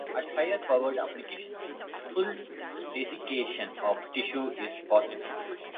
At higher powered applications, full desiccation of tissue is possible.